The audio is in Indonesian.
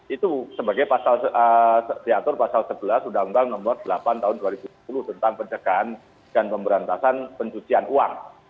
itu sebagai diatur pasal sebelas undang undang nomor delapan tahun dua ribu sepuluh tentang pencegahan dan pemberantasan pencucian uang